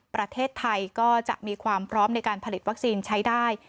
ประเทศไทยก็จะมีความพร้อมในการผลิตวัคซีนใช้ได้